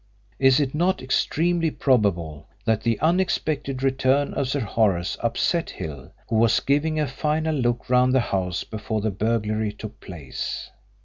Is it not extremely probable that the unexpected return of Sir Horace upset Hill, who was giving a final look round the house before the burglary took place?